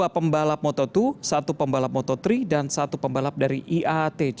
dua pembalap moto dua satu pembalap moto tiga dan satu pembalap dari iat